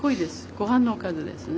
御飯のおかずですね。